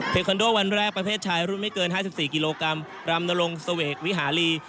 เทคอนโดวันแรกประเภทชายรุ่นไม่เกินห้าสิบสี่กิโลกรัมรำนรงค์สเวกวิหารี